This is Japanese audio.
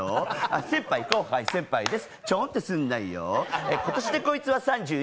先輩、後輩、先輩です。